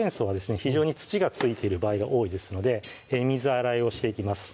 非常に土が付いている場合が多いですので水洗いをしていきます